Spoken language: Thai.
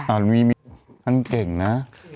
ตอนวิมีท่านเก่งนะ